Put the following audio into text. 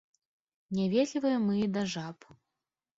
Няветлівыя мы і да жаб.